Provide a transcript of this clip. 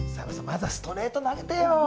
まずはストレート投げてよ。